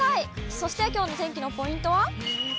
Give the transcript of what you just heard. そしてきょうの天気のポイントは？